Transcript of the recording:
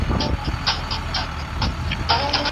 ډير فعال وو، حتی د ایران سفیر په کابل کي د جمهوریت پر